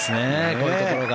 こういうところが。